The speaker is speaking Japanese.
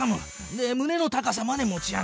でむねの高さまで持ち上げる。